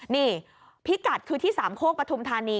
นี่พิกัดคือที่๓โคกประทุมธานี